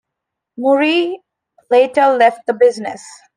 Murrie later left the business.